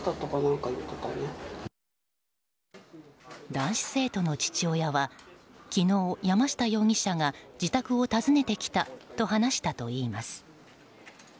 男子生徒の父親は昨日、山下容疑者が自宅を訪ねてきたと話したといいます。